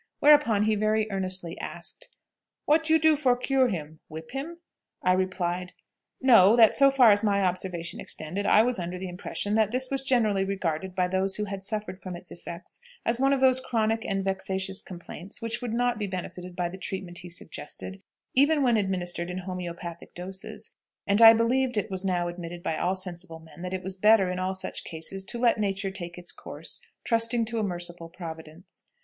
Whereupon he very earnestly asked, "What you do for cure him? Whip him?" I replied, "No; that, so far as my observation extended, I was under the impression that this was generally regarded by those who had suffered from its effects as one of those chronic and vexatious complaints which would not be benefited by the treatment he suggested, even when administered in homoeopathic doses, and I believed it was now admitted by all sensible men that it was better in all such cases to let nature take its course, trusting to a merciful Providence."